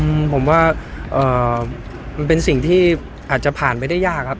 ช่ายครับผมว่ามันเป็นสิ่งที่เองผ่านไปได้ยากครับ